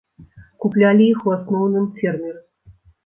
Куплялі іх у асноўным фермеры.